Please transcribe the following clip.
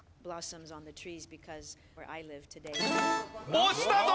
押したぞ！